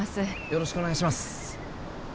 よろしくお願いします